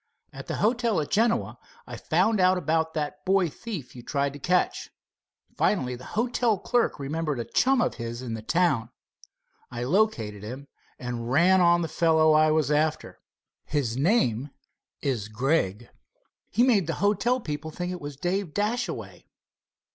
At the hotel at Genoa I found out about that boy thief you tried to catch. Finally the hotel clerk remembered a chum of his in the town. I located him, and ran on the fellow I was after. His name is Gregg." "He made the hotel people think it was Dave Dashaway."